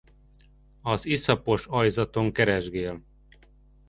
Az iszapos aljzaton keresgél.